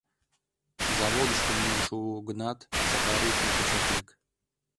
Заводышко миен шуо гынат, Сакар ушыж гыч ок лек.